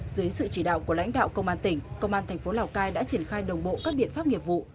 dưới sự chỉ đạo của lãnh đạo công an tỉnh công an thành phố lào cai đã triển khai đồng bộ các biện pháp nghiệp vụ